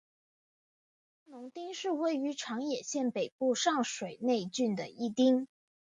信浓町是位于长野县北部上水内郡的一町。